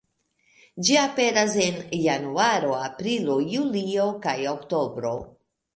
Ĝi aperas en Januaro, Aprilo, Julio kaj Oktobro.